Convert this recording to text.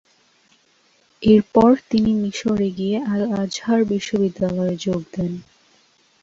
এরপর তিনি মিশরে গিয়ে আল-আজহার বিশ্ববিদ্যালয়ে যোগ দেন।